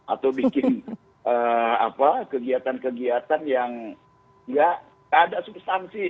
atau bikin kegiatan kegiatan yang nggak ada substansi